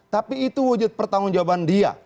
tapi itu wujud pertanggungjawaban dia